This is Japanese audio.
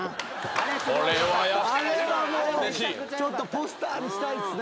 あれはもうちょっとポスターにしたいっすね。